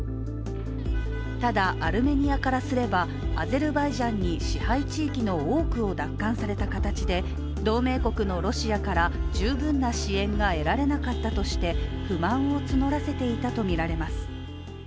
ただ、アルメニアからすればアゼルバイジャンに支配地域の多くを奪還された形で同盟国のロシアから十分な支援が得られなかったとして不満を募らせていたとみられます。